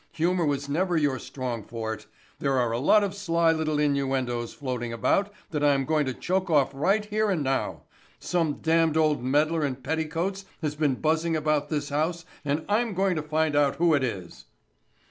Humor was never your strong forte. There are a lot of sly little innuendos floating about that I'm going to choke off right here and now. Some damned old meddler in petticoats has been buzzing about this house and I'm going to find out who it is."